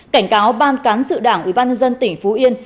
cảnh cáo ban cán sự đảng ủy ban nhân dân tỉnh phú yên